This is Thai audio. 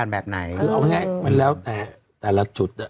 แบบนี้คือเอาไงมันแล้วแต่แต่ละจุด